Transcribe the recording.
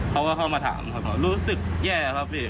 เขาก็เข้ามาถามครับผมรู้สึกแย่ครับพี่